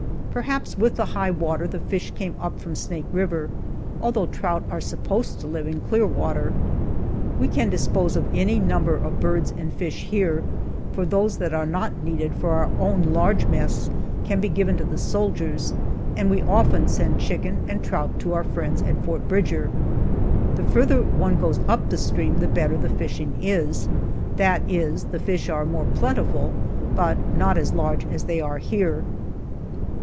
Perhaps with the high water the fish came up from Snake River, although trout are supposed to live in clear water. We can dispose of any number of birds and fish here, for those that are not needed for our own large mess can be given to the soldiers, and we often send chicken and trout to our friends at Fort Bridger. The farther one goes up the stream the better the fishing is that is, the fish are more plentiful, but not as large as they are here.